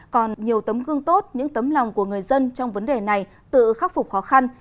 còn nhiều tấm gương tốt những tấm lòng của người dân trong vấn đề này tự khắc phục khó khăn